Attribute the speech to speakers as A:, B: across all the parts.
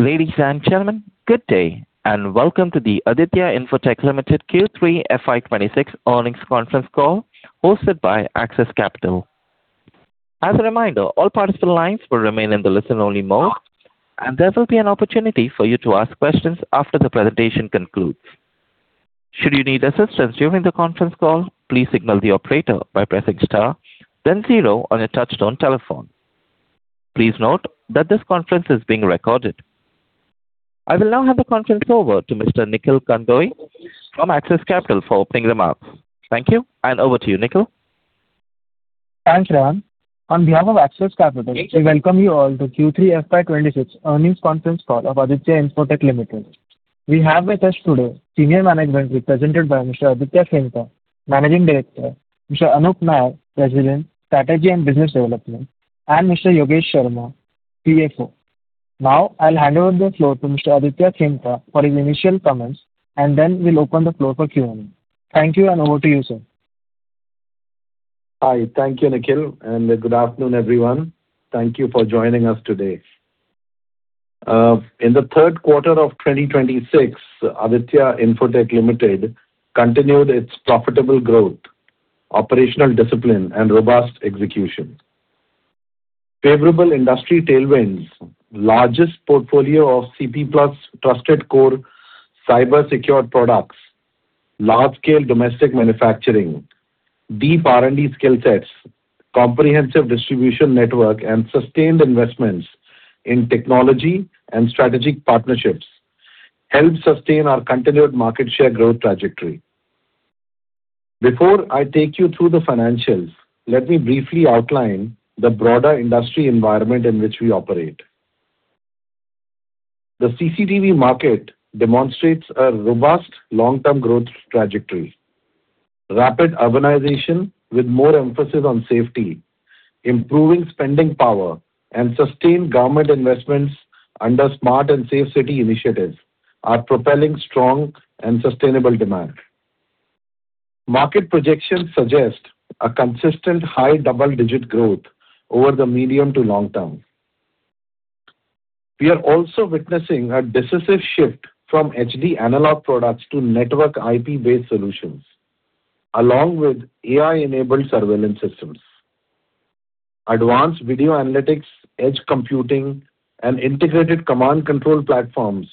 A: Ladies and gentlemen, good day, and welcome to the Aditya Infotech Limited Q3 FY26 earnings conference call, hosted by Axis Capital. As a reminder, all participant lines will remain in the listen-only mode, and there will be an opportunity for you to ask questions after the presentation concludes. Should you need assistance during the conference call, please signal the operator by pressing star then zero on your touchtone telephone. Please note that this conference is being recorded. I will now hand the conference over to Mr. Nikhil Kandoi from Axis Capital for opening remarks. Thank you, and over to you, Nikhil.
B: Thanks, Shaan. On behalf of Axis Capital, we welcome you all to Q3 FY26 earnings conference call of Aditya Infotech Limited. We have with us today senior management, represented by Mr. Aditya Khemka, Managing Director, Mr. Anup Nair, President, Strategy and Business Development, and Mr. Yogesh Sharma, CFO. Now, I'll hand over the floor to Mr. Aditya Khemka for his initial comments, and then we'll open the floor for Q&A. Thank you, and over to you, sir.
C: Hi. Thank you, Nikhil, and good afternoon, everyone. Thank you for joining us today. In the third quarter of 2026, Aditya Infotech Limited continued its profitable growth, operational discipline and robust execution. Favorable industry tailwinds, largest portfolio of CP PLUS Trusted Core cyber-secured products, large-scale domestic manufacturing, deep R&D skill sets, comprehensive distribution network, and sustained investments in technology and strategic partnerships helped sustain our continued market share growth trajectory. Before I take you through the financials, let me briefly outline the broader industry environment in which we operate. The CCTV market demonstrates a robust long-term growth trajectory. Rapid urbanization with more emphasis on safety, improving spending power, and sustained government investments under Smart and Safe City initiatives are propelling strong and sustainable demand. Market projections suggest a consistent high double-digit growth over the medium to long term. We are also witnessing a decisive shift from HD Analog products to network IP-based solutions, along with AI-enabled surveillance systems. Advanced video analytics, edge computing, and integrated command control platforms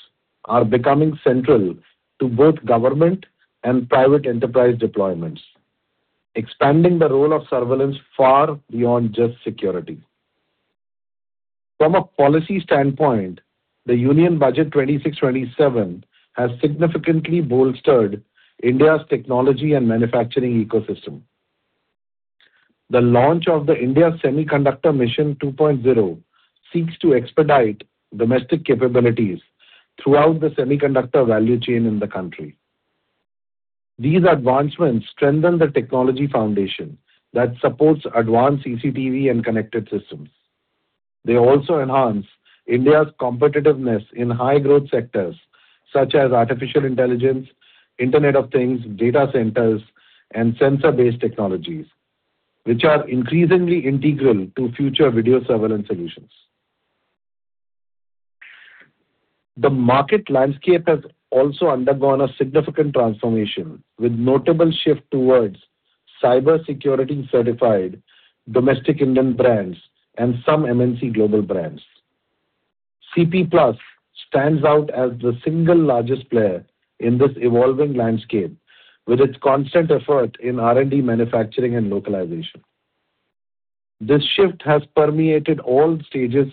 C: are becoming central to both government and private enterprise deployments, expanding the role of surveillance far beyond just security. From a policy standpoint, the Union Budget 2026-2027 has significantly bolstered India's technology and manufacturing ecosystem. The launch of the India Semiconductor Mission 2.0 seeks to expedite domestic capabilities throughout the semiconductor value chain in the country. These advancements strengthen the technology foundation that supports advanced CCTV and connected systems. They also enhance India's competitiveness in high-growth sectors such as artificial intelligence, Internet of Things, data centers, and sensor-based technologies, which are increasingly integral to future video surveillance solutions. The market landscape has also undergone a significant transformation, with notable shift towards cybersecurity-certified domestic Indian brands and some MNC global brands. CP PLUS stands out as the single largest player in this evolving landscape, with its constant effort in R&D, manufacturing and localization. This shift has permeated all stages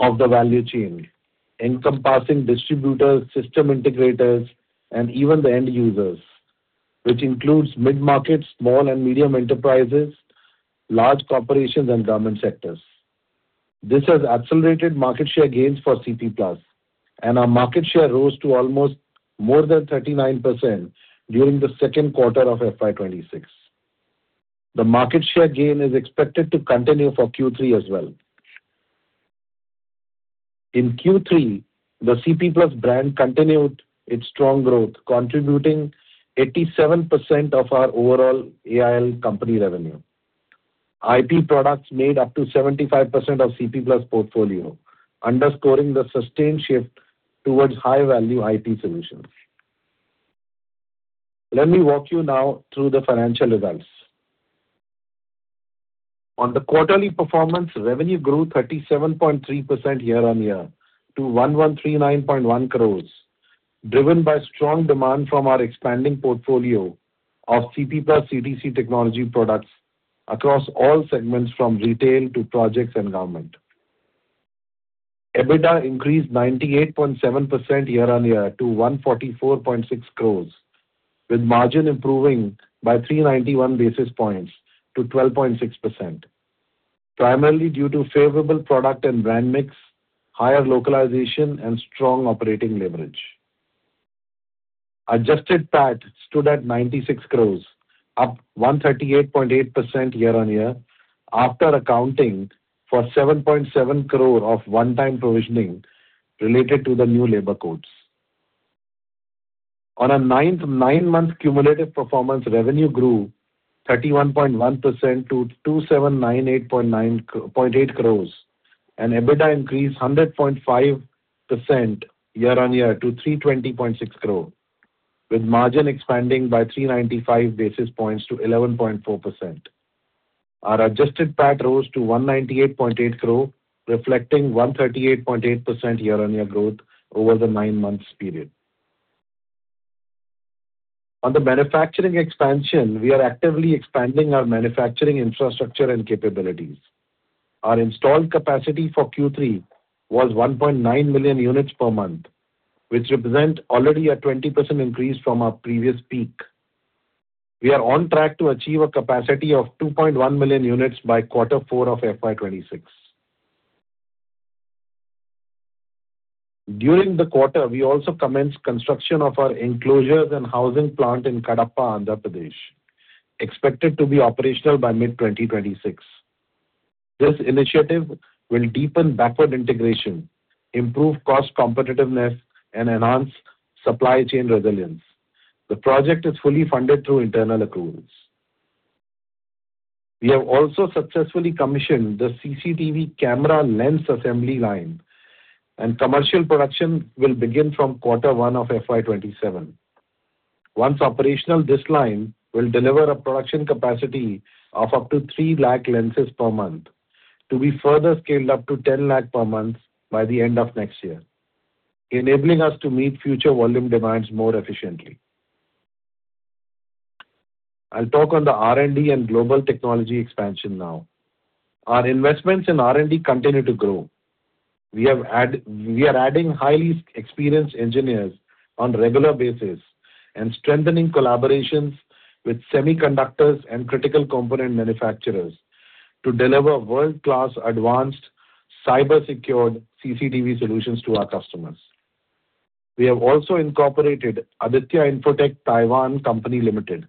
C: of the value chain, encompassing distributors, system integrators, and even the end users, which includes mid-market, small and medium enterprises, large corporations, and government sectors. This has accelerated market share gains for CP PLUS, and our market share rose to almost more than 39% during the second quarter of FY 2026. The market share gain is expected to continue for Q3 as well. In Q3, the CP PLUS brand continued its strong growth, contributing 87% of our overall AIL company revenue. IP products made up to 75% of CP PLUS portfolio, underscoring the sustained shift towards high-value IP solutions. Let me walk you now through the financial results. On the quarterly performance, revenue grew 37.3% year-on-year to 1,139.1 crore, driven by strong demand from our expanding portfolio of CP PLUS CTC technology products across all segments, from retail to projects and government. EBITDA increased 98.7% year-on-year to 144.6 crore, with margin improving by 391 basis points to 12.6%, primarily due to favorable product and brand mix, higher localization, and strong operating leverage. Adjusted PAT stood at 96 crore, up 138.8% year-on-year, after accounting for 7.7 crore of one-time provisioning related to the new labor codes. On a nine-month cumulative performance, revenue grew 31.1% to 2,798.98 crore, and EBITDA increased 100.5% year-on-year to 320.6 crore, with margin expanding by 395 basis points to 11.4%. Our adjusted PAT rose to 198.8 crore, reflecting 138.8% year-on-year growth over the nine months period. On the manufacturing expansion, we are actively expanding our manufacturing infrastructure and capabilities. Our installed capacity for Q3 was 1.9 million units per month, which represent already a 20% increase from our previous peak. We are on track to achieve a capacity of 2.1 million units by quarter four of FY 2026. During the quarter, we also commenced construction of our enclosures and housing plant in Kadapa, Andhra Pradesh, expected to be operational by mid-2026. This initiative will deepen backward integration, improve cost competitiveness, and enhance supply chain resilience. The project is fully funded through internal accruals. We have also successfully commissioned the CCTV camera lens assembly line, and commercial production will begin from quarter one of FY 2027. Once operational, this line will deliver a production capacity of up to 300,000 lenses per month, to be further scaled up to 1 million per month by the end of next year, enabling us to meet future volume demands more efficiently. I'll talk on the R&D and global technology expansion now. Our investments in R&D continue to grow. We are adding highly experienced engineers on regular basis and strengthening collaborations with semiconductors and critical component manufacturers to deliver world-class, advanced, cyber secured CCTV solutions to our customers. We have also incorporated Aditya Infotech Taiwan Company Limited,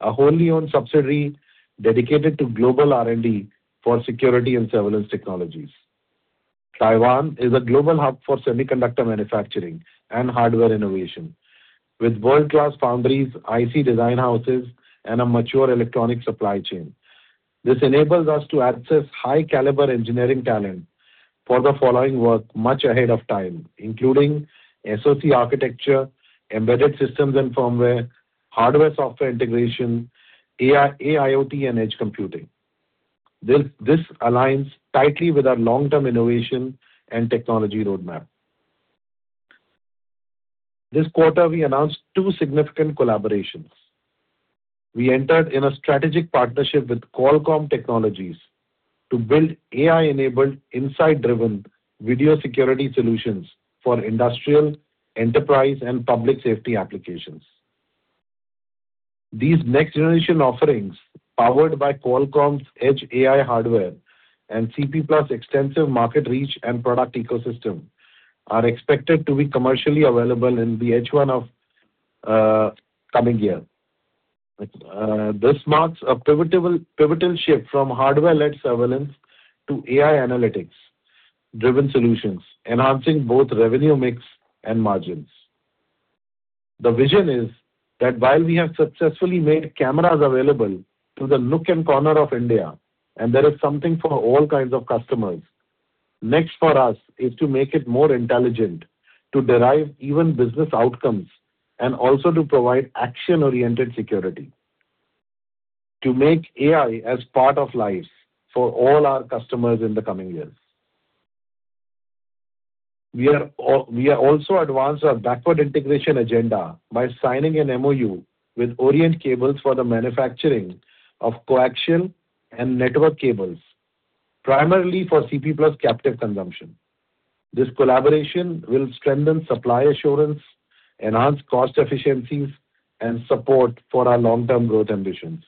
C: a wholly owned subsidiary dedicated to global R&D for security and surveillance technologies. Taiwan is a global hub for semiconductor manufacturing and hardware innovation, with world-class foundries, IC design houses, and a mature electronic supply chain. This enables us to access high caliber engineering talent for the following work much ahead of time, including SoC architecture, embedded systems and firmware, hardware-software integration, AIoT, and edge computing. This aligns tightly with our long-term innovation and technology roadmap. This quarter, we announced two significant collaborations. We entered in a strategic partnership with Qualcomm Technologies to build AI-enabled, insight-driven video security solutions for industrial, enterprise, and public safety applications. These next-generation offerings, powered by Qualcomm's Edge AI hardware and CP PLUS extensive market reach and product ecosystem, are expected to be commercially available in the H1 of coming year. This marks a pivotal shift from hardware-led surveillance to AI analytics-driven solutions, enhancing both revenue mix and margins. The vision is that while we have successfully made cameras available to the nook and corner of India, and there is something for all kinds of customers, next for us is to make it more intelligent, to derive even business outcomes, and also to provide action-oriented security to make AI as part of life for all our customers in the coming years. We are also advancing our backward integration agenda by signing an MOU with Orient Cables for the manufacturing of coaxial and network cables, primarily for CP PLUS captive consumption. This collaboration will strengthen supply assurance, enhance cost efficiencies, and support for our long-term growth ambitions.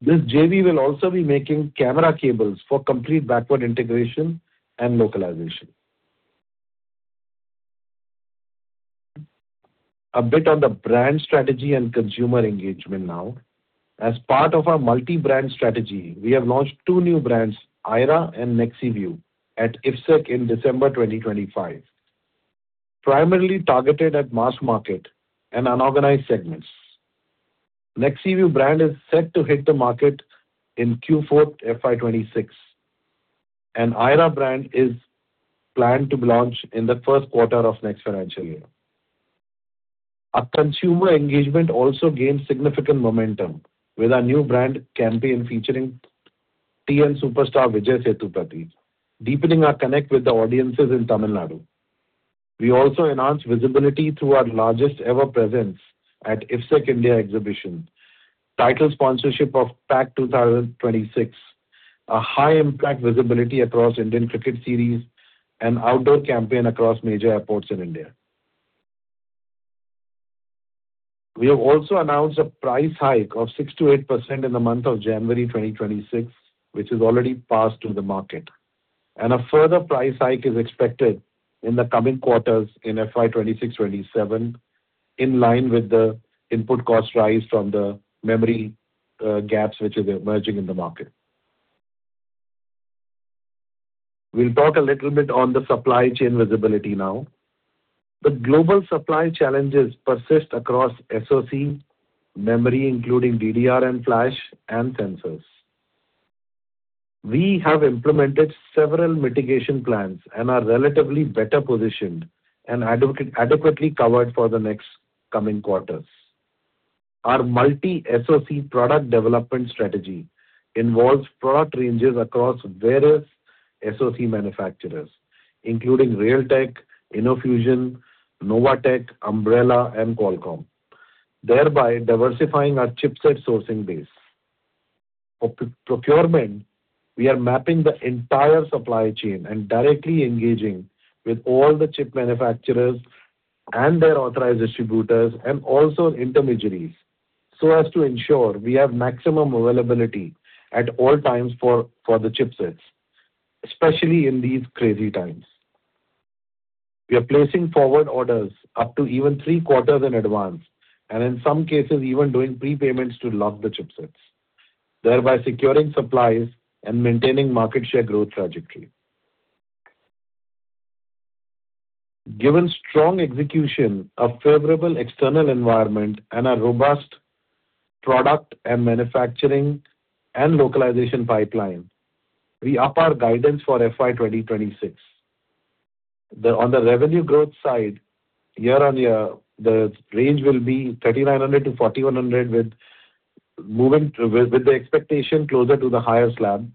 C: This JV will also be making camera cables for complete backward integration and localization. A bit on the brand strategy and consumer engagement now. As part of our multi-brand strategy, we have launched two new brands, EYRA and NEXIVUE, at IFSEC in December 2025, primarily targeted at mass market and unorganized segments. NEXIVUE brand is set to hit the market in Q4 FY26, and EYRA brand is planned to be launched in the first quarter of next financial year. Our consumer engagement also gained significant momentum with our new brand campaign featuring TN superstar Vijay Sethupathi, deepening our connect with the audiences in Tamil Nadu. We also enhanced visibility through our largest-ever presence at IFSEC India exhibition, title sponsorship of PAC 2026, a high impact visibility across Indian cricket series, and outdoor campaign across major airports in India. We have also announced a price hike of 6%-8% in the month of January 2026, which is already passed to the market, and a further price hike is expected in the coming quarters in FY26, FY27, in line with the input cost rise from the memory gaps, which is emerging in the market. We'll talk a little bit on the supply chain visibility now. The global supply challenges persist across SoC, memory, including DDR and flash, and sensors. We have implemented several mitigation plans and are relatively better positioned and adequately covered for the next coming quarters. Our multi-SoC product development strategy involves product ranges across various SoC manufacturers, including Realtek, InnoFusion, Novatek, Ambarella, and Qualcomm, thereby diversifying our chipset sourcing base. For procurement, we are mapping the entire supply chain and directly engaging with all the chip manufacturers and their authorized distributors and also intermediaries, so as to ensure we have maximum availability at all times for the chipsets, especially in these crazy times. We are placing forward orders up to even three quarters in advance, and in some cases, even doing prepayments to lock the chipsets, thereby securing supplies and maintaining market share growth trajectory. Given strong execution, a favorable external environment, and a robust product and manufacturing and localization pipeline, we up our guidance for FY 2026. On the revenue growth side, year-on-year, the range will be 3,900 crore-4,100 crore, with the expectation closer to the higher slab.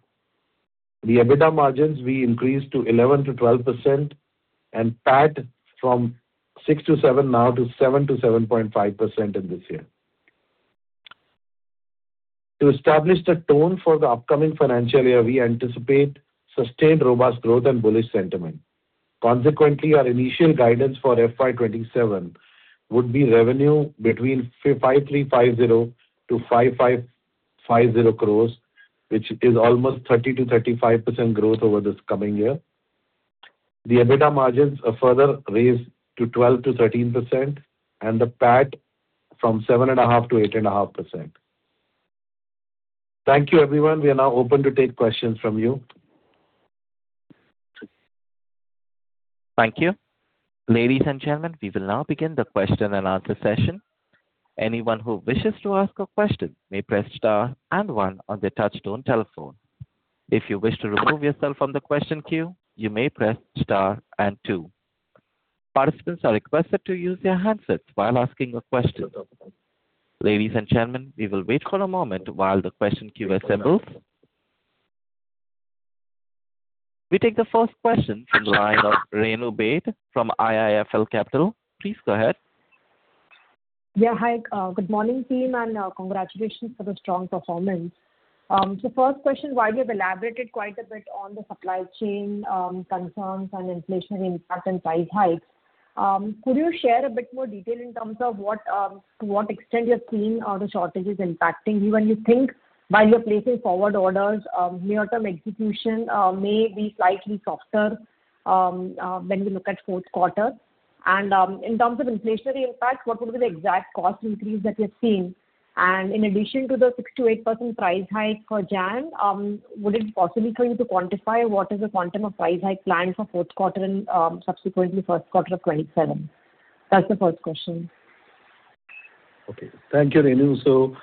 C: The EBITDA margins will increase to 11%-12% and PAT from 6%-7% now, to 7%-7.5% in this year. To establish the tone for the upcoming financial year, we anticipate sustained robust growth and bullish sentiment. Consequently, our initial guidance for FY 2027 would be revenue between 5,350 crore-5,550 crore, which is almost 30%-35% growth over this coming year. The EBITDA margins are further raised to 12%-13%, and the PAT from 7.5%-8.5%. Thank you, everyone. We are now open to take questions from you.
A: Thank you. Ladies and gentlemen, we will now begin the Q&A session. Anyone who wishes to ask a question may press star and one on their touchtone telephone. If you wish to remove yourself from the question queue, you may press star and two. Participants are requested to use their handsets while asking a question. Ladies and gentlemen, we will wait for a moment while the question queue assembles. We take the first question from the line of Renu Baid, from IIFL Capital. Please go ahead.
D: Yeah, hi, good morning, team, and congratulations for the strong performance. So first question, while you've elaborated quite a bit on the supply chain, concerns and inflationary impact and price hikes, could you share a bit more detail in terms of what to what extent you're seeing the shortages impacting you? And you think by you placing forward orders, near-term execution may be slightly softer when we look at fourth quarter? And in terms of inflationary impact, what would be the exact cost increase that you're seeing? And in addition to the 6%-8% price hike for January, would it be possible for you to quantify what is the quantum of price hike planned for fourth quarter and subsequently first quarter of 2027? That's the first question.
C: Okay. Thank you, Renu.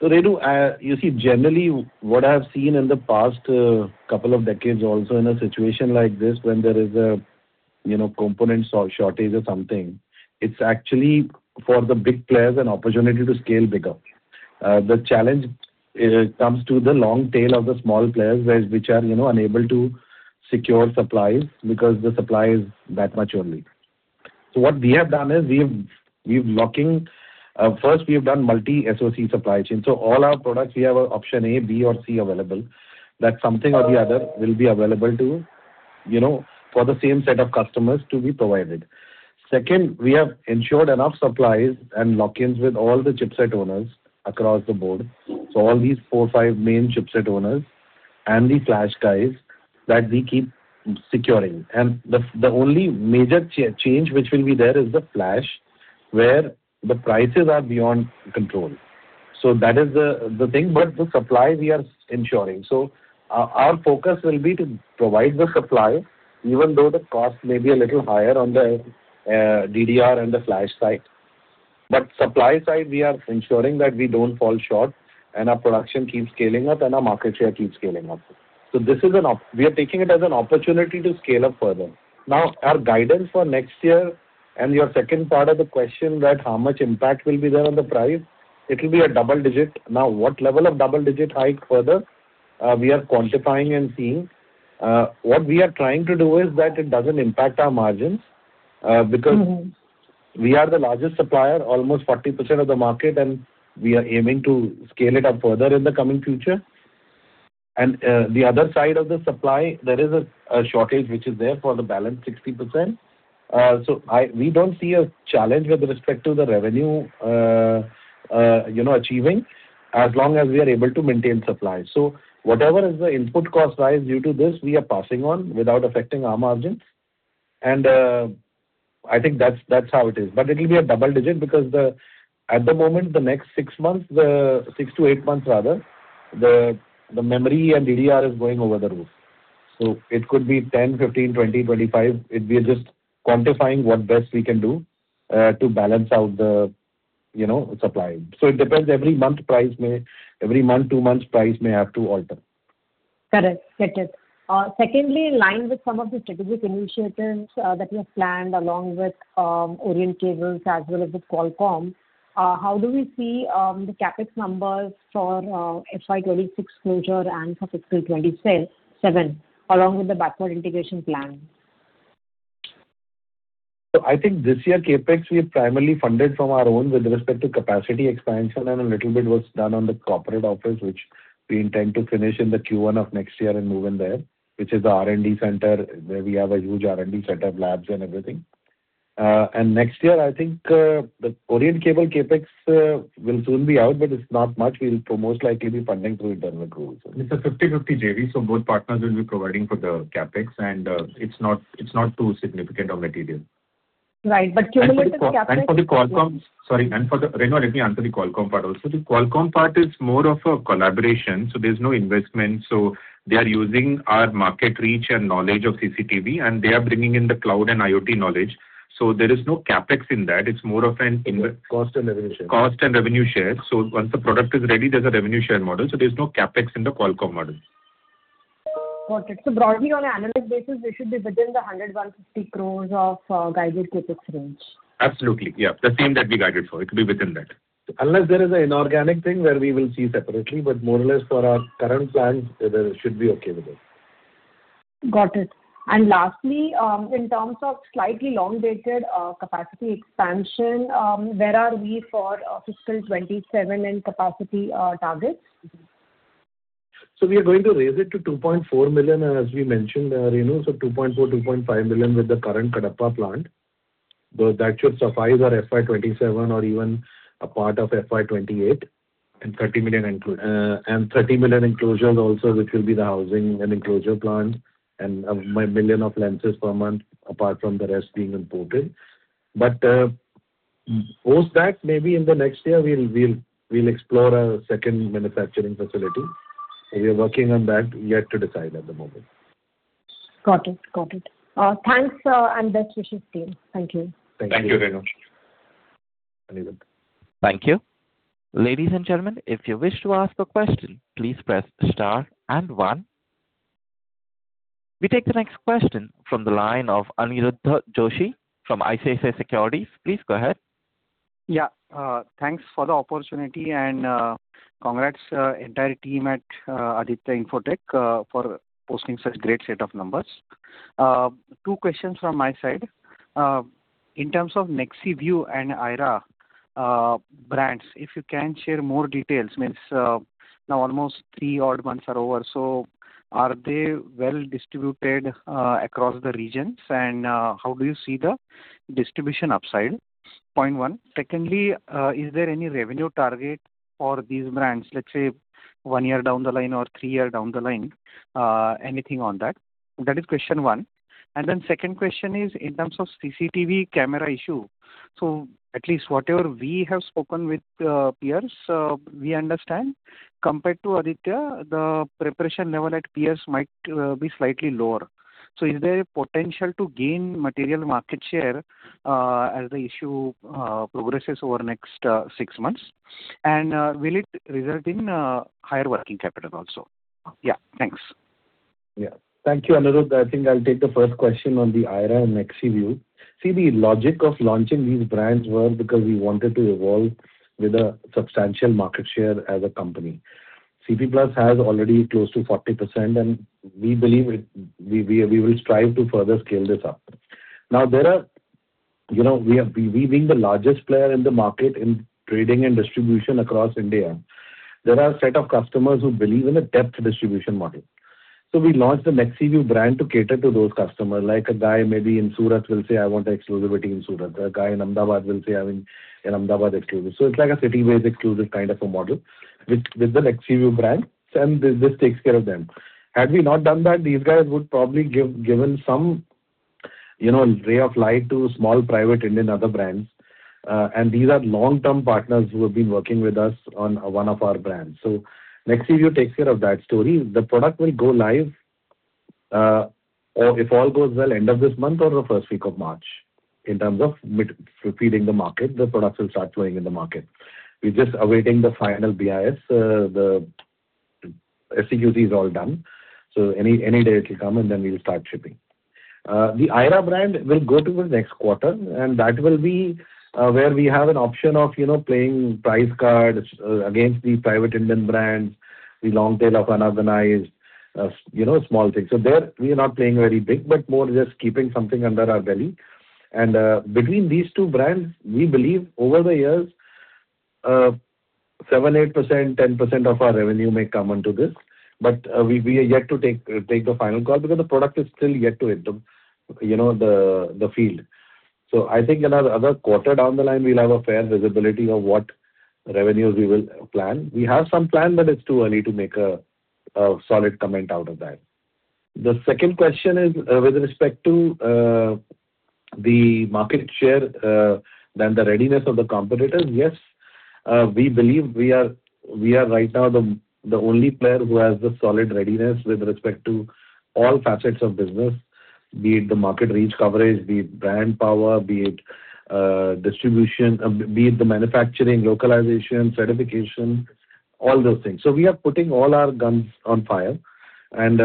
C: So, Renu, you see, generally what I've seen in the past, couple of decades also in a situation like this, when there is a, you know, component shortage or something, it's actually, for the big players, an opportunity to scale bigger. The challenge is, comes to the long tail of the small players, where which are, you know, unable to secure supplies because the supply is that much only. So what we have done is, we've, we're locking. First, we have done multi-SoC supply chain. So all our products, we have option A, B, or C available, that something or the other will be available to, you know, for the same set of customers to be provided. Second, we have ensured enough supplies and lock-ins with all the chipset owners across the board. So all these four, five main chipset owners and the flash guys that we keep securing. And the only major change which will be there is the flash, where the prices are beyond control. So that is the thing, but the supply we are ensuring. So our focus will be to provide the supply, even though the cost may be a little higher on the DDR and the flash side. But supply side, we are ensuring that we don't fall short, and our production keeps scaling up, and our market share keeps scaling up. So this is an opportunity. We are taking it as an opportunity to scale up further. Now, our guidance for next year and your second part of the question, that how much impact will be there on the price, it will be a double digit. Now, what level of double digit hike further, we are quantifying and seeing. What we are trying to do is that it doesn't impact our margins, because we are the largest supplier, almost 40% of the market, and we are aiming to scale it up further in the coming future. And, the other side of the supply, there is a shortage which is there for the balance 60%. So we don't see a challenge with respect to the revenue, you know, achieving, as long as we are able to maintain supply. So whatever is the input cost rise due to this, we are passing on without affecting our margins. And, I think that's how it is. But it will be double-digit because at the moment, the next six months, the six to eight months rather, the memory and DDR is going over the roof. So it could be 10, 15, 20, 25. We are just quantifying what best we can do to balance out the, you know, supply. So it depends, every month price may every month, two months, price may have to alter.
D: Correct. Got it. Secondly, in line with some of the strategic initiatives, that you have planned along with, Orient Cables as well as with Qualcomm, how do we see, the CapEx numbers for, FY 2026 closure and for fiscal 2027, along with the backward integration plan?
C: So I think this year, CapEx, we have primarily funded from our own with respect to capacity expansion, and a little bit was done on the corporate office, which we intend to finish in the Q1 of next year and move in there, which is the R&D center, where we have a huge R&D set of labs and everything. And next year, I think, the Orient Cable CapEx will soon be out, but it's not much. We'll most likely be funding through internal growth.
E: It's a 50/50 JV, so both partners will be providing for the CapEx, and it's not too significant or material.
D: Right. But cumulative CapEx.
E: And for the Qualcomm. Sorry, and for the—Renu, let me answer the Qualcomm part also. The Qualcomm part is more of a collaboration, so there's no investment. So they are using our market reach and knowledge of CCTV, and they are bringing in the cloud and IoT knowledge. So there is no CapEx in that. It's more of an.
C: Cost and revenue share.
E: Cost and revenue share. So once the product is ready, there's a revenue share model, so there's no CapEx in the Qualcomm model.
D: Got it. So broadly, on an annual basis, we should be within 100-150 crore of guided CapEx range?
E: Absolutely. Yeah, the same that we guided for, it'll be within that.
C: Unless there is an inorganic thing where we will see separately, but more or less for our current plans, it should be okay with it.
D: Got it. And lastly, in terms of slightly long-dated, capacity expansion, where are we for fiscal 27 and capacity targets?
C: So we are going to raise it to 2.4 million, as we mentioned, Renu. So 2.4 million-2.5 million with the current Kadapa plant. So that should suffice our FY 2027 or even a part of FY 2028.
E: 30 million enclosure.
C: And 30 million enclosures also, which will be the housing and enclosure plant, and 1 million lenses per month, apart from the rest being imported. But post that, maybe in the next year, we'll explore a second manufacturing facility. So we are working on that. Yet to decide at the moment.
D: Got it. Got it. Thanks, and best wishes, team. Thank you.
C: Thank you.
E: Thank you, Renu.
A: Thank you. Ladies and gentlemen, if you wish to ask a question, please press star and one. We take the next question from the line of Aniruddha Joshi from ICICI Securities. Please go ahead.
F: Yeah, thanks for the opportunity and congrats entire team at Aditya Infotech for posting such great set of numbers. Two questions from my side. In terms of NEXIVUE and EYRA brands, if you can share more details, means, now almost three odd months are over, so are they well distributed across the regions? And how do you see the distribution upside? Point one. Secondly, is there any revenue target for these brands, let's say, one year down the line or three year down the line? Anything on that? That is question one. And then second question is in terms of CCTV camera issue. So at least whatever we have spoken with peers, we understand, compared to Aditya, the preparation level at peers might be slightly lower. So is there a potential to gain material market share, as the issue progresses over the next six months? And, will it result in higher working capital also? Yeah, thanks.
C: Yeah. Thank you, Aniruddha. I think I'll take the first question on the EYRA and NEXIVUE. See, the logic of launching these brands was because we wanted to evolve with a substantial market share as a company. CP PLUS has already close to 40%, and we believe it—we, we, we will strive to further scale this up. Now, there are. You know, we are, we, we being the largest player in the market in trading and distribution across India, there are a set of customers who believe in a depth distribution model. So we launched the NEXIVUE brand to cater to those customers. Like, a guy maybe in Surat will say, "I want exclusivity in Surat." A guy in Ahmedabad will say, "I want an Ahmedabad exclusive." So it's like a city-based exclusive kind of a model with the NEXIVUE brand, and this takes care of them. Had we not done that, these guys would probably given some, you know, ray of light to small, private Indian other brands. And these are long-term partners who have been working with us on one of our brands. So NEXIVUE takes care of that story. The product will go live, or if all goes well, end of this month or the first week of March, in terms of meeting the market, the products will start flowing in the market. We're just awaiting the final BIS. The STQC is all done, so any, any day it will come, and then we'll start shipping. The EYRA brand will go to the next quarter, and that will be where we have an option of, you know, playing price cards against the private Indian brands, the long tail of unorganized, you know, small things. So there, we are not playing very big, but more just keeping something under our belly. Between these two brands, we believe over the years, 7%, 8%, 10% of our revenue may come onto this, but we are yet to take the final call because the product is still yet to hit the, you know, the field. So I think in another quarter down the line, we'll have a fair visibility of what revenues we will plan. We have some plan, but it's too early to make a solid comment out of that. The second question is, with respect to, the market share, then the readiness of the competitors. Yes, we believe we are, we are right now the, the only player who has the solid readiness with respect to all facets of business, be it the market reach coverage, be it brand power, be it, distribution, be it the manufacturing, localization, certification, all those things. So we are putting all our guns on fire, and,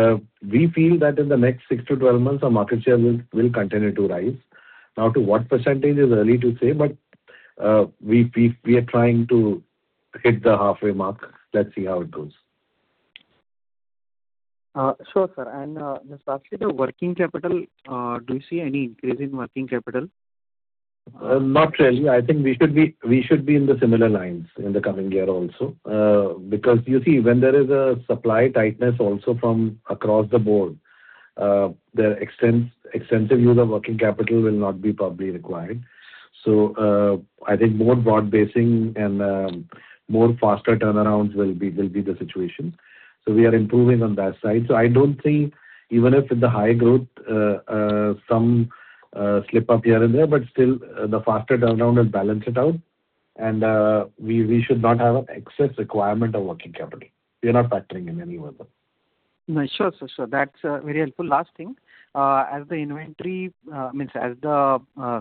C: we feel that in the next six-12 months, our market share will, will continue to rise. Now, to what percentage is early to say, but, we, we, we are trying to hit the halfway mark. Let's see how it goes.
F: Sure, sir. And, just lastly, the working capital, do you see any increase in working capital?
C: Not really. I think we should be, we should be in the similar lines in the coming year also. Because you see, when there is a supply tightness also from across the board, the extensive use of working capital will not be probably required. So, I think more broad basing and, more faster turnarounds will be, will be the situation. So we are improving on that side. So I don't think even if with the high growth, some slip up here and there, but still, the faster turnaround will balance it out. And, we, we should not have an excess requirement of working capital. We are not factoring in any of them.
F: No, sure, sir. So that's very helpful. Last thing, as the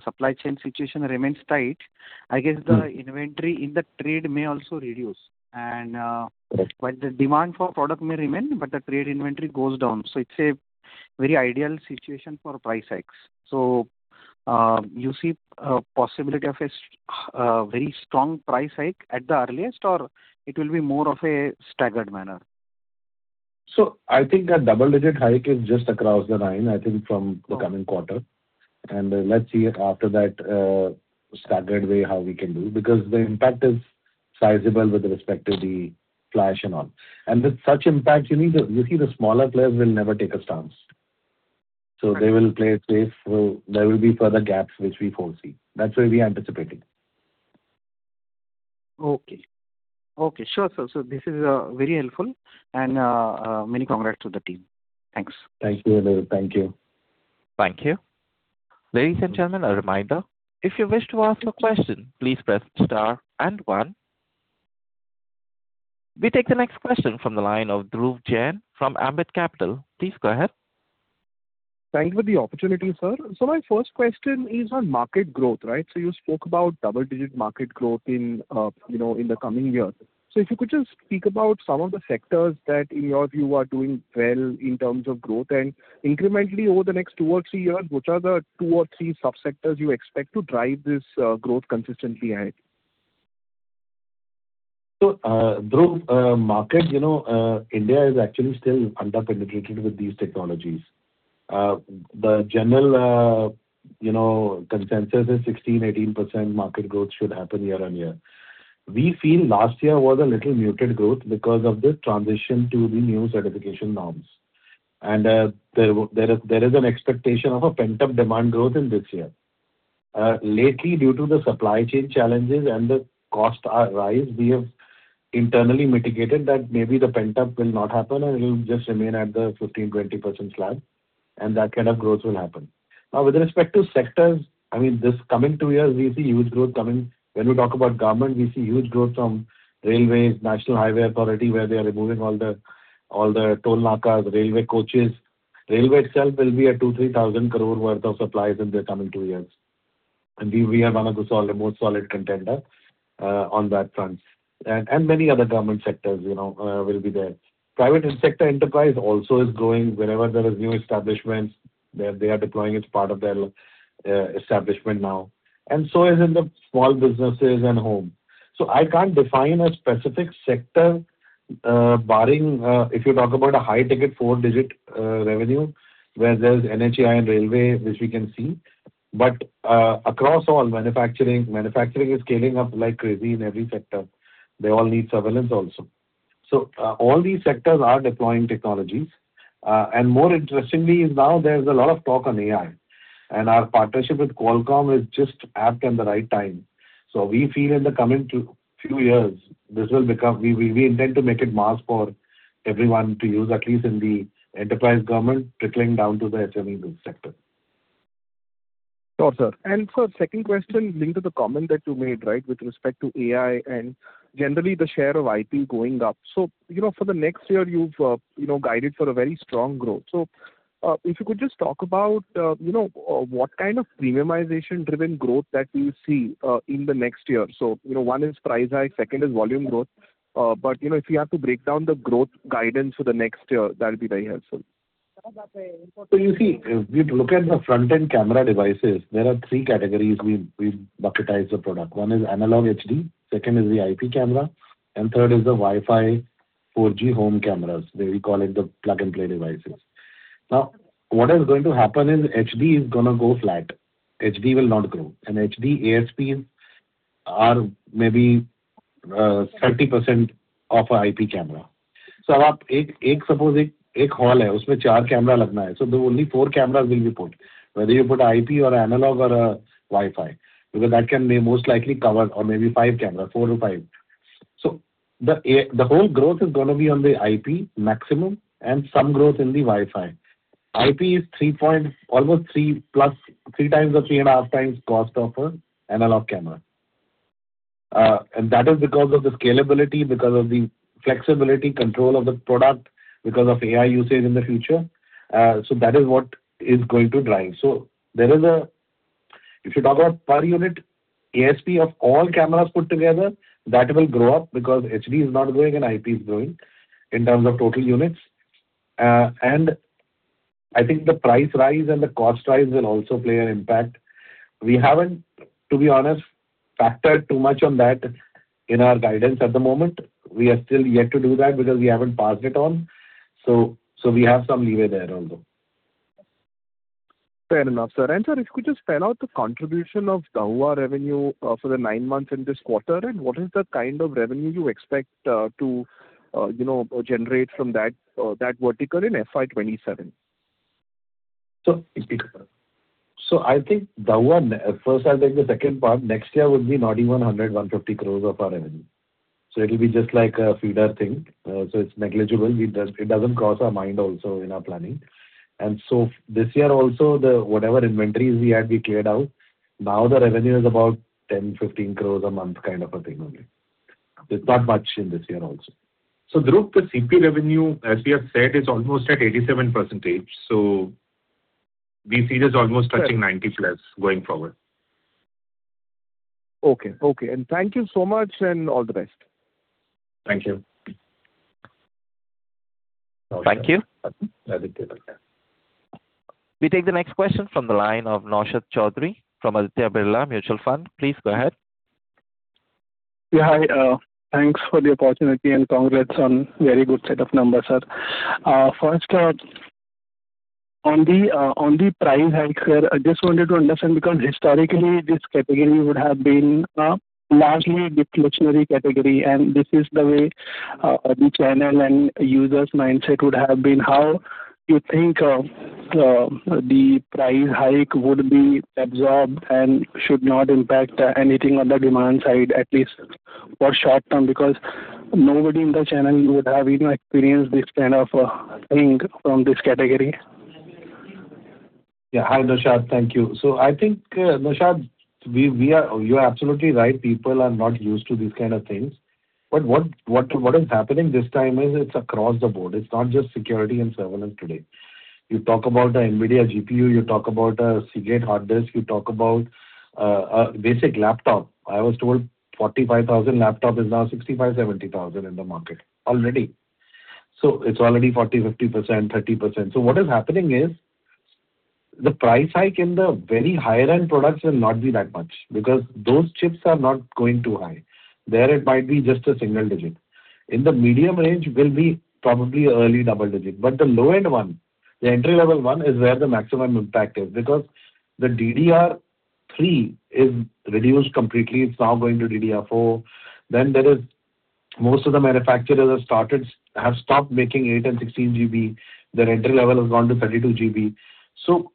F: supply chain situation remains tight, I guess the inventory in the trade may also reduce and,
C: Right.
F: While the demand for product may remain, but the trade inventory goes down. So it's a very ideal situation for price hikes. So, you see a possibility of a very strong price hike at the earliest, or it will be more of a staggered manner?
C: So I think that double-digit hike is just across the line, I think, from the coming quarter. And, let's see it after that, staggered way, how we can do, because the impact is sizable with respect to the flash and NAND. And with such impact, you need the. You see, the smaller players will never take a stance. So they will play it safe, so there will be further gaps, which we foresee. That's where we are anticipating.
F: Okay. Okay, sure, sir. So this is very helpful, and many congrats to the team. Thanks.
C: Thank you, Aniruddha. Thank you.
A: Thank you. Ladies and gentlemen, a reminder: If you wish to ask a question, please press star and one. We take the next question from the line of Dhruv Jain from Ambit Capital. Please go ahead.
G: Thank you for the opportunity, sir. So my first question is on market growth, right? So you spoke about double-digit market growth in, you know, in the coming years. So if you could just speak about some of the sectors that, in your view, are doing well in terms of growth, and incrementally over the next two or three years, which are the two or three subsectors you expect to drive this growth consistently ahead?
C: So, Dhruv, market, you know, India is actually still under-penetrated with these technologies. The general, you know, consensus is 16%-18% market growth should happen year-on-year. We feel last year was a little muted growth because of the transition to the new certification norms. And, there is an expectation of a pent-up demand growth in this year. Lately, due to the supply chain challenges and the cost rise, we have internally mitigated that maybe the pent-up will not happen, and it will just remain at the 15%-20% slab, and that kind of growth will happen. Now, with respect to sectors, I mean, this coming two years, we see huge growth coming. When we talk about government, we see huge growth from railways, National Highways Authority, where they are removing all the toll nakas, railway coaches. Railway itself will be a 2,000 crore-3,000 crore worth of supplies in the coming two years, and we are one of the solid, more solid contender on that front. And many other government sectors, you know, will be there. Private sector enterprise also is growing. Wherever there is new establishments, they are deploying as part of their establishment now, and so is in the small businesses and home. So I can't define a specific sector, barring if you talk about a high-ticket four-digit revenue, where there's NHAI and railway, which we can see. But across all manufacturing, manufacturing is scaling up like crazy in every sector. They all need surveillance also. So, all these sectors are deploying technologies. And more interestingly, now there's a lot of talk on AI, and our partnership with Qualcomm is just apt and the right time. So we feel in the coming two, few years, this will become. We intend to make it mass for everyone to use, at least in the enterprise, government, trickling down to the SME sector.
G: Sure, sir. And sir, second question linked to the comment that you made, right, with respect to AI and generally the share of IP going up. So, you know, for the next year, you've, you know, guided for a very strong growth. So, if you could just talk about, you know, what kind of premiumization-driven growth that you see, in the next year. So, you know, one is price hike, second is volume growth. But, you know, if you have to break down the growth guidance for the next year, that would be very helpful.
C: So you see, if we look at the front-end camera devices, there are three categories we bucketize the product. One is analog HD, second is the IP camera, and third is the Wi-Fi 4G home cameras, where we call it the plug-and-play devices. Now, what is going to happen is HD is gonna go flat. HD will not grow. And HD, ASP are maybe 30% of our IP camera. So if, suppose one hall, and you want to put four cameras in it, so the only four cameras will be put, whether you put IP or analog or Wi-Fi, because that can most likely cover or maybe five cameras, four to five. So the whole growth is going to be on the IP maximum and some growth in the Wi-Fi. IP is 3—almost 3+, 3 times or 3.5 times cost of an analog camera. And that is because of the scalability, because of the flexibility, control of the product, because of AI usage in the future. So that is what is going to drive. So there is. If you talk about per unit, ASP of all cameras put together, that will grow up because HD is not growing and IP is growing in terms of total units. And I think the price rise and the cost rise will also play an impact. We haven't, to be honest, factored too much on that in our guidance at the moment. We are still yet to do that because we haven't passed it on. So, so we have some leeway there although.
G: Fair enough, sir. And, sir, if you could just spell out the contribution of Dahua revenue, for the nine months in this quarter, and what is the kind of revenue you expect, you know, generate from that, that vertical in FY 2027?
C: I think Dahua, first, I'll take the second part. Next year would be INR 91, 100, 150 crore of our revenue. So it'll be just like a feeder thing. So it's negligible. We just. It doesn't cross our mind also in our planning. And so this year also, whatever inventories we had, we cleared out. Now, the revenue is about 10-15 crore a month, kind of a thing only. It's not much in this year also. So Dhruv, the CP revenue, as we have said, is almost at 87%, so we see this almost touching 90%+ going forward.
G: Okay. Okay, and thank you so much, and all the best.
C: Thank you.
A: Thank you.
C: Have a good day.
A: We take the next question from the line of Naushad Chaudhary from Aditya Birla Mutual Fund. Please go ahead.
H: Yeah, hi. Thanks for the opportunity and congrats on very good set of numbers, sir. First, on the price hike here, I just wanted to understand, because historically, this category would have been largely a discretionary category, and this is the way the channel and user's mindset would have been. How you think the price hike would be absorbed and should not impact anything on the demand side, at least for short term, because nobody in the channel would have even experienced this kind of thing from this category?
C: Yeah. Hi, Naushad. Thank you. So I think, Naushad, we are. You're absolutely right. People are not used to these kind of things. But what, what, what is happening this time is it's across the board. It's not just security and surveillance today. You talk about the NVIDIA GPU, you talk about Seagate hard disk, you talk about a basic laptop. I was told 45,000 laptop is now 65,000-70,000 in the market already. So it's already 40%-50%, 30%. So what is happening is, the price hike in the very higher-end products will not be that much because those chips are not going too high. There, it might be just a single digit. In the medium range will be probably early double digit, but the low-end one, the entry-level one, is where the maximum impact is. Because the DDR3 is reduced completely, it's now going to DDR4. Then there is... Most of the manufacturers have stopped making eight and 16 GB. Their entry level has gone to 32 GB. So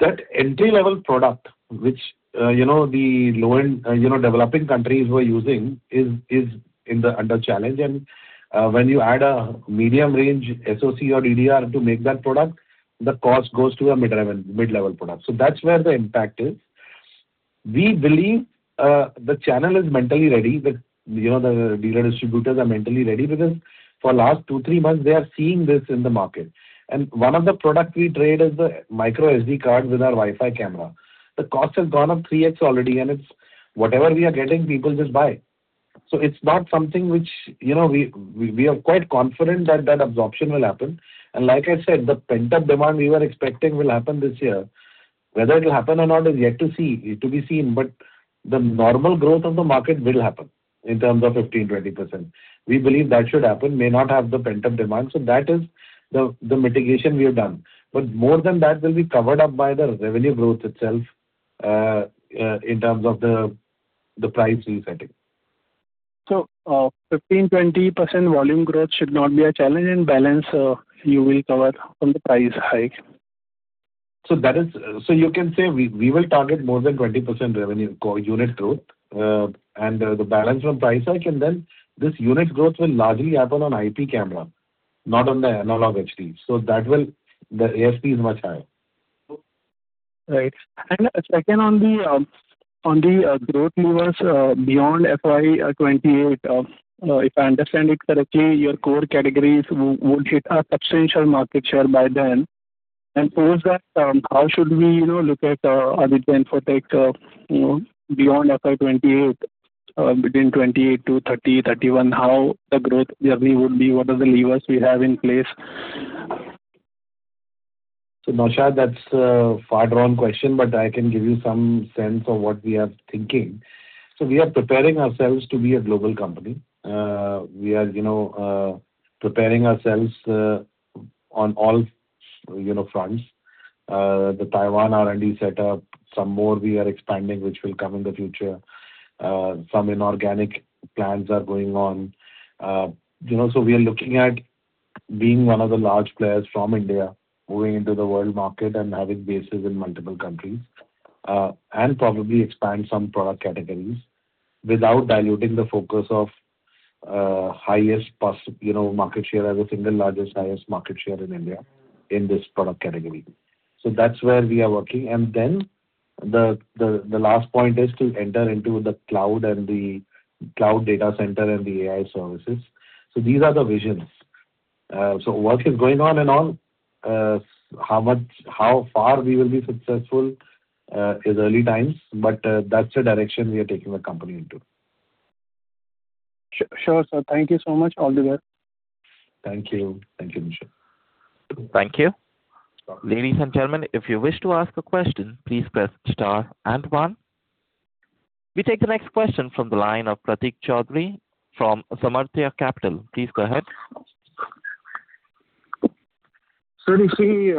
C: that entry-level product, which, you know, the low-end, you know, developing countries were using, is under challenge. And, when you add a medium-range SoC or DDR to make that product, the cost goes to a mid-level, mid-level product. So that's where the impact is. We believe, the channel is mentally ready, that, you know, the dealer distributors are mentally ready, because for last two to three months, they are seeing this in the market. And one of the products we trade is the micro SD card with our Wi-Fi camera. The cost has gone up 3x already, and it's whatever we are getting, people just buy. So it's not something which, you know, we are quite confident that absorption will happen. And like I said, the pent-up demand we were expecting will happen this year. Whether it will happen or not is yet to be seen, but the normal growth of the market will happen in terms of 15%-20%. We believe that should happen, may not have the pent-up demand. So that is the mitigation we have done. But more than that will be covered up by the revenue growth itself, in terms of the price resetting.
H: So, 15%-20% volume growth should not be a challenge, and balance, you will cover on the price hike.
C: So you can say we will target more than 20% revenue unit growth, and the balance from price hike, and then this unit growth will largely happen on IP camera, not on the HD analog. So that will. The ASP is much higher.
H: Right. And second on the growth levers beyond FY 2028 if I understand it correctly, your core categories would hit a substantial market share by then. And post that, how should we, you know, look at Aditya Infotech, you know, beyond FY 2028 between 2028 to 2030, 2031, how the growth journey would be? What are the levers we have in place?
C: So, Naushad, that's a far-fetched question, but I can give you some sense of what we are thinking. So we are preparing ourselves to be a global company. We are, you know, preparing ourselves on all, you know, fronts. The Taiwan R&D set up, some more we are expanding, which will come in the future. Some inorganic plans are going on. You know, so we are looking at being one of the large players from India moving into the world market and having bases in multiple countries. And probably expand some product categories without diluting the focus of highest possible, you know, market share as the single largest, highest market share in India in this product category. So that's where we are working. And then the last point is to enter into the cloud and the cloud data center and the AI services. So these are the visions. So work is going on and on. How much, how far we will be successful is early times, but that's the direction we are taking the company into.
H: Sure, sir. Thank you so much. All the best.
C: Thank you. Thank you, Nikhil.
A: Thank you. Ladies and gentlemen, if you wish to ask a question, please press star and one. We take the next question from the line of Prateek Chaudhary from Saamarthya Capital. Please go ahead.
I: Do you see,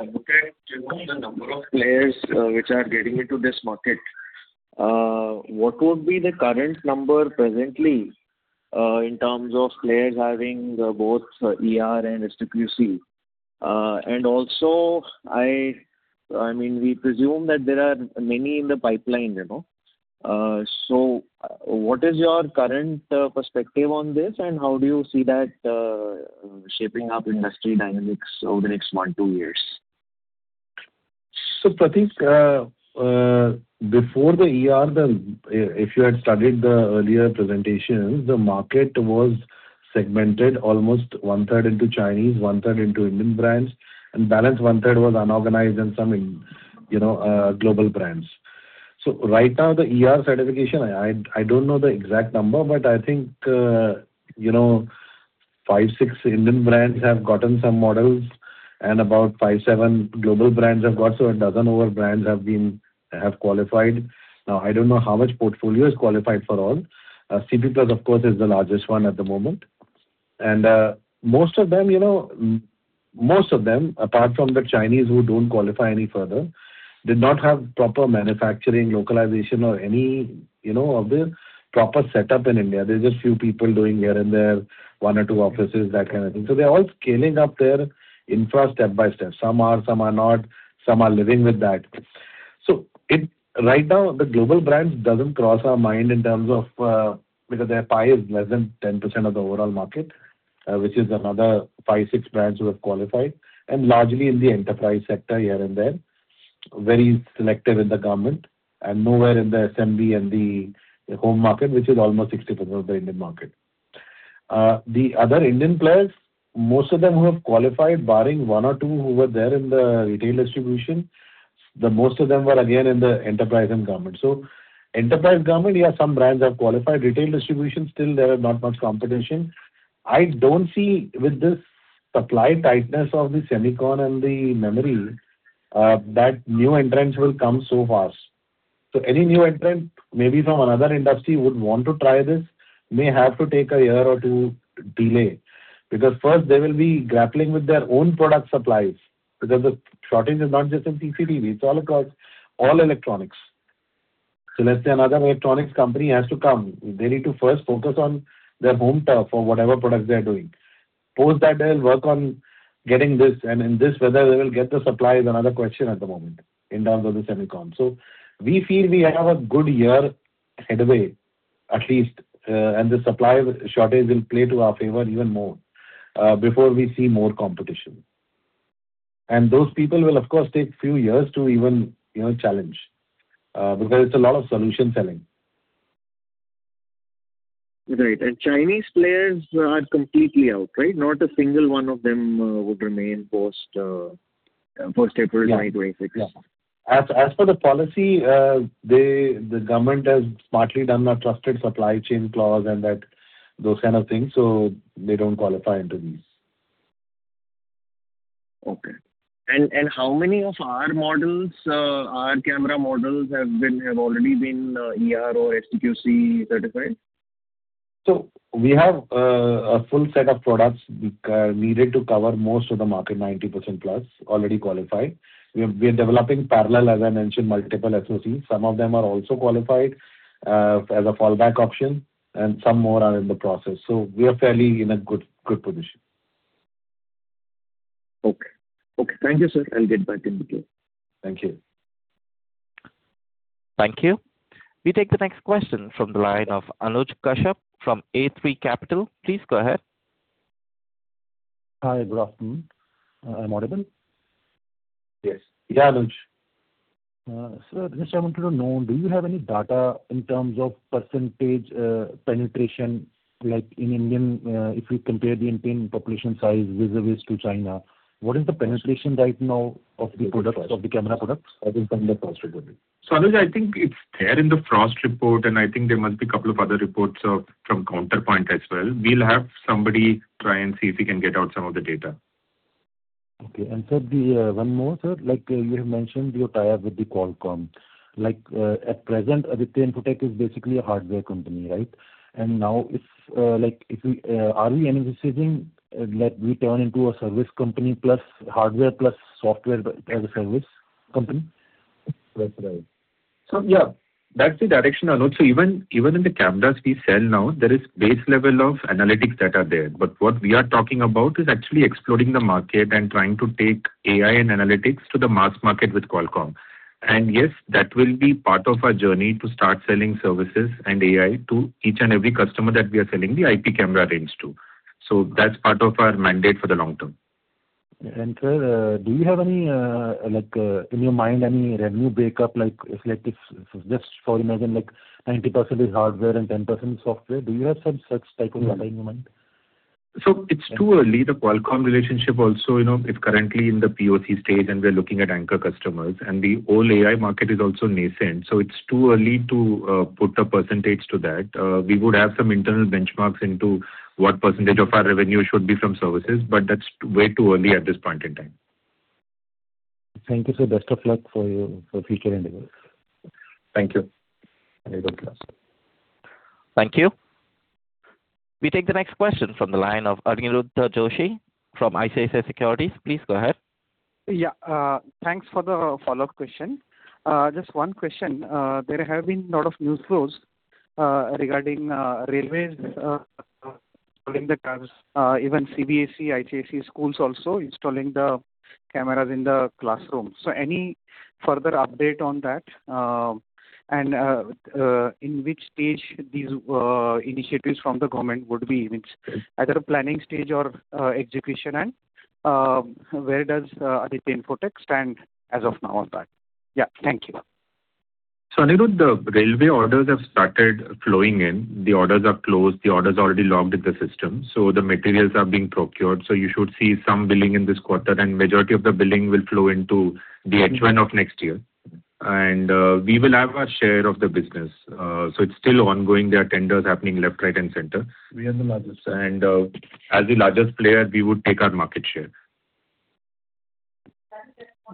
I: looking at, you know, the number of players which are getting into this market, what would be the current number presently in terms of players having both ER and STQC? And also, I mean, we presume that there are many in the pipeline, you know. So what is your current perspective on this, and how do you see that shaping up industry dynamics over the next one to two years?
C: So, Prateek, before the ER, if you had studied the earlier presentations, the market was segmented almost one third into Chinese, one third into Indian brands, and balance one third was unorganized and some in, you know, global brands. So right now, the ER certification, I don't know the exact number, but I think, you know, 5-6 Indian brands have gotten some models, and about 5-7 global brands have got. So 12 of our brands have qualified. Now, I don't know how much portfolio is qualified for all. CP PLUS, of course, is the largest one at the moment. And, most of them, you know, most of them, apart from the Chinese who don't qualify any further, did not have proper manufacturing, localization or any, you know, of the proper setup in India. There's just few people doing here and there, one or two offices, that kind of thing. So they're all scaling up their infra step by step. Some are, some are not, some are living with that. So right now, the global brands doesn't cross our mind in terms of, because their pie is less than 10% of the overall market, which is another five to six brands who have qualified, and largely in the enterprise sector here and there. Very selective in the government and nowhere in the SMB and the, the home market, which is almost 60% of the Indian market. The other Indian players, most of them who have qualified, barring one or two who were there in the retail distribution, the most of them were again in the enterprise and government. So enterprise government, yeah, some brands have qualified. Retail distribution. Still, there is not much competition. I don't see with this supply tightness of the semicon and the memory that new entrants will come so fast. So any new entrant, maybe from another industry, would want to try this, may have to take a year or two delay. Because first they will be grappling with their own product supplies, because the shortage is not just in CCTV, it's all across all electronics. So let's say another electronics company has to come. They need to first focus on their home turf or whatever products they are doing. Post that, they'll work on getting this, and in this weather, whether they will get the supply is another question at the moment in terms of the semicon. So we feel we have a good year headway, at least, and the supply shortage will play to our favor even more, before we see more competition. And those people will, of course, take few years to even, you know, challenge, because it's a lot of solution selling.
I: Right. And Chinese players are completely out, right? Not a single one of them, would remain post, post April ninth, right?
C: Yeah. As per the policy, the government has smartly done a trusted supply chain clause and those kind of things, so they don't qualify into these.
I: Okay. And how many of our models, our camera models have already been ER or STQC certified?
C: So we have a full set of products needed to cover most of the market, 90% plus, already qualified. We are developing parallel, as I mentioned, multiple SoCs. Some of them are also qualified as a fallback option, and some more are in the process. So we are fairly in a good, good position.
I: Okay. Okay, thank you, sir. I'll get back in the queue.
C: Thank you.
A: Thank you. We take the next question from the line of Anuj Kashyap from A3 Capital. Please go ahead.
J: Hi, good afternoon. I'm audible?
C: Yes. Yeah, Anuj.
J: Sir, just I wanted to know, do you have any data in terms of percentage, penetration, like in Indian, if you compare the Indian population size vis-a-vis to China, what is the penetration right now of the products, of the camera products within the Frost Report?
C: So, Anuj, I think it's there in the Frost Report, and I think there must be a couple of other reports of, from Counterpoint as well. We'll have somebody try and see if we can get out some of the data.
J: Okay, and so the one more, sir. Like, you have mentioned your tie-up with the Qualcomm. Like, at present, Aditya Infotech is basically a hardware company, right? And now if, like, if we are we envisaging, like, we turn into a service company plus hardware plus software as a service company? That's right.
C: So, yeah, that's the direction, Anuj. So even, even in the cameras we sell now, there is base level of analytics that are there. But what we are talking about is actually exploring the market and trying to take AI and analytics to the mass market with Qualcomm. And yes, that will be part of our journey to start selling services and AI to each and every customer that we are selling the IP camera range to. So that's part of our mandate for the long term.
J: Sir, do you have any, like, in your mind, any revenue breakup? Like, if, like, if just for imagine, like, 90% is hardware and 10% software, do you have some such type of data in your mind?
C: It's too early. The Qualcomm relationship also, you know, is currently in the POC stage, and we're looking at anchor customers, and the whole AI market is also nascent, so it's too early to put a percentage to that. We would have some internal benchmarks into what percentage of our revenue should be from services, but that's way too early at this point in time.
J: Thank you, sir. Best of luck for your future endeavors.
C: Thank you.
J: Good luck.
A: Thank you. We take the next question from the line of Aniruddha Joshi from ICICI Securities. Please go ahead.
F: Yeah, thanks for the follow-up question. Just one question. There have been a lot of news flows regarding railways during the times, even CBSE, ICSE schools also installing the cameras in the classrooms. So any further update on that? And in which stage these initiatives from the government would be in, it's either planning stage or execution, and where does Aditya Infotech stand as of now on that? Yeah. Thank you.
C: So Aniruddha, the railway orders have started flowing in. The orders are closed, the orders already logged in the system, so the materials are being procured. So you should see some billing in this quarter, and majority of the billing will flow into the H1 of next year. And, we will have our share of the business. So it's still ongoing. There are tenders happening left, right, and center.
E: We are the largest.
C: As the largest player, we would take our market share.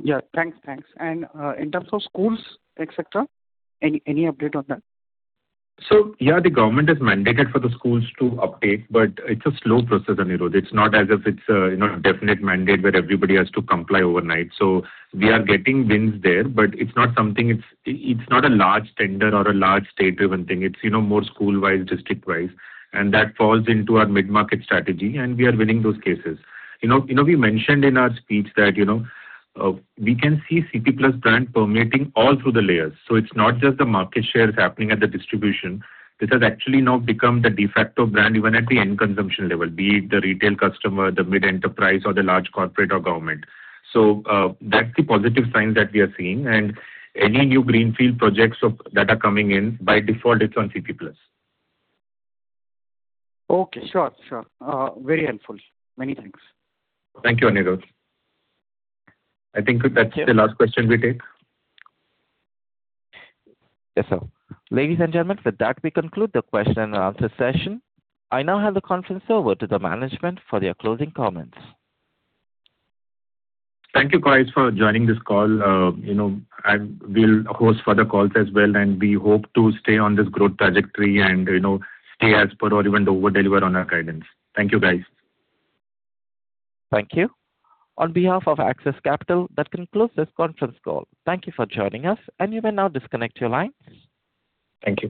F: Yeah. Thanks. Thanks. In terms of schools, et cetera, any update on that?
C: So, yeah, the government has mandated for the schools to update, but it's a slow process, Aniruddha. It's not as if it's a, you know, definite mandate where everybody has to comply overnight. So we are getting wins there, but it's not something. It's, it's not a large tender or a large state-driven thing. It's, you know, more school-wise, district-wise, and that falls into our mid-market strategy, and we are winning those cases. You know, you know, we mentioned in our speech that, you know, we can see CP PLUS brand permeating all through the layers. So it's not just the market share is happening at the distribution. This has actually now become the de facto brand, even at the end consumption level, be it the retail customer, the mid-enterprise or the large corporate or government. So, that's the positive sign that we are seeing. Any new greenfield projects that are coming in, by default, it's on CP PLUS.
F: Okay. Sure. Sure. Very helpful. Many thanks.
C: Thank you, Aniruddha. I think that's the last question we take.
A: Yes, sir. Ladies and gentlemen, with that, we conclude the Q&A session. I now hand the conference over to the management for their closing comments.
C: Thank you, guys, for joining this call. You know, and we'll host further calls as well, and we hope to stay on this growth trajectory and, you know, stay as per or even over-deliver on our guidance. Thank you, guys.
A: Thank you. On behalf of Axis Capital, that concludes this conference call. Thank you for joining us, and you may now disconnect your line.
C: Thank you.